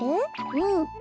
うん。